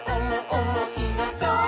おもしろそう！」